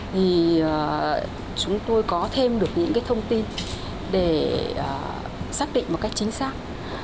thì chúng tôi có thêm được những cái thông tin để xác định một cách chính xác